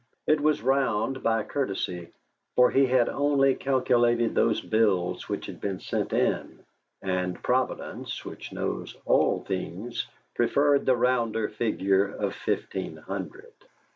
It was round by courtesy, for he had only calculated those bills which had been sent in, and Providence, which knows all things, preferred the rounder figure of fifteen hundred.